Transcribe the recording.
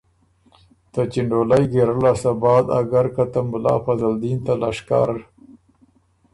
ته چِنډولئ ګېرۀ لاسته بعد اګر که ته ملا فضلدین ته لشکر